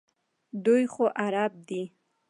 دوی خو عرب دي.